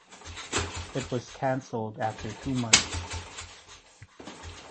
It was cancelled after two months.